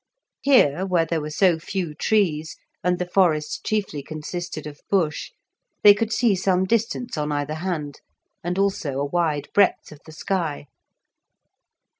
Here, where there were so few trees, and the forest chiefly consisted of bush, they could see some distance on either hand, and also a wide breadth of the sky.